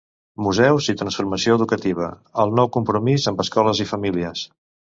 Museus i transformació educativa: el nou compromís amb escoles i famílies.